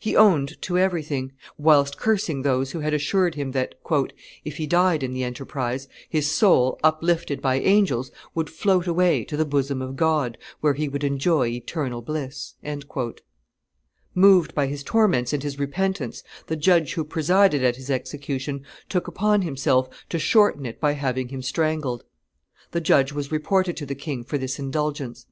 He owned to everything, whilst cursing those who had assured him that "if he died in the enterprise, his soul, uplifted by angels, would float away to the bosom of God, where he would enjoy eternal bliss." Moved by his torments and his repentance, the judge who presided at his execution took upon himself to shorten it by having him strangled. The judge was reported to the king for this indulgence.